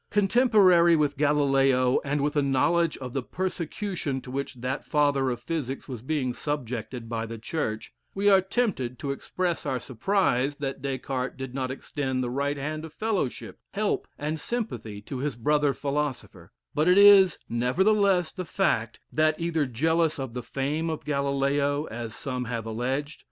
Contemporary with Galileo, and with a knowledge of the persecution to which that father of physics was being subjected by the Church, we are tempted to express our surprise that Des Cartes did not extend the right hand of fellowship, help, and sympathy to his brother philosopher; but it is, nevertheless, the fact, that either jealous of the fame of Galileo (as some have alleged.)